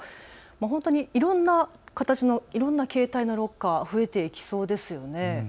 いろんな形のいろんな形態のロッカー、増えていきそうですよね。